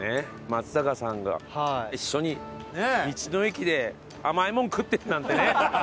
松坂さんが一緒に道の駅で甘いもの食ってるなんてね。